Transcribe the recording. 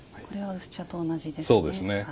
これは薄茶と同じですね。